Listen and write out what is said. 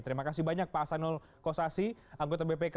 terima kasih banyak pak hasanul kossasi anggota bpk